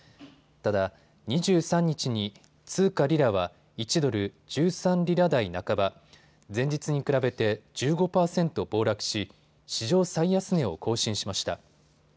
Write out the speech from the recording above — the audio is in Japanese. ただ、２３日に通貨リラは１ドル１３リラ台半ば、前日に比べて１５％暴落し史上最安値を更新しました。